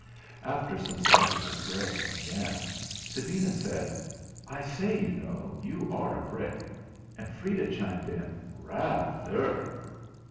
After some slices of bread and jam, Sabina said: "I say, you know, you are a brick!" And Freda chimed in: "Rather!"